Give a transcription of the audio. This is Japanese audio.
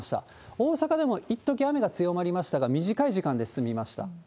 大阪でもいっとき雨が強まりましたが、短い時間で済みました。